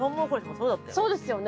そうですよね。